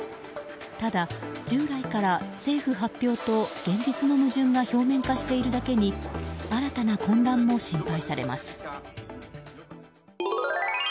ただ、従来から政府発表と現実の矛盾が表面化しているだけに新たな混乱も心配されます。